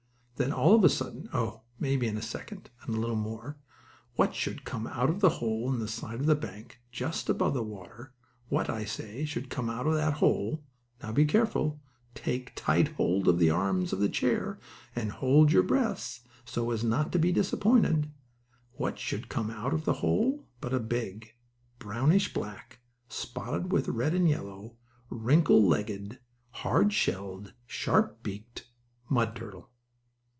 Then, all of a sudden, oh! maybe in a second and a little more what should come out of that hole in the side of the bank, just above the water, what, I say, should come out of that hole now be careful, take tight hold of the arms of the chair, and hold your breaths, so as not to be disappointed, what should come out of the hole but a big, brownish black, spotted with red and yellow, wrinkle legged, hard shelled, sharp beaked mud turtle!